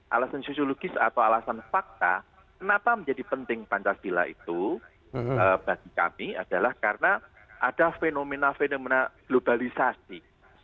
alasan sosiologis atau alasan fakta kenapa menjadi penting pancasila itu bagi kami adalah karena ada fenomena fenomena globalisasi